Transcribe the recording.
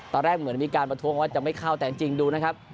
ตอนแรกเหมือนมีการประท้วงว่าจะไม่เข้าแต่จริงดูนะครับ